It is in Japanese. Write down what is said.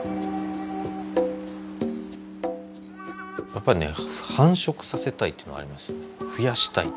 やっぱりね「繁殖させたい」というのがありますよね。